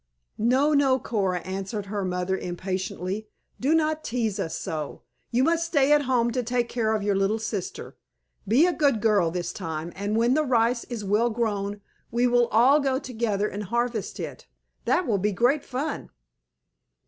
"No, no, Coora," answered her mother impatiently. "Do not tease us so. You must stay at home to take care of your little sister. Be a good girl this time, and when the rice is well grown we will all go together and harvest it. That will be great fun!"